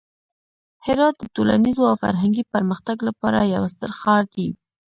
هرات د ټولنیز او فرهنګي پرمختګ لپاره یو ستر ښار دی.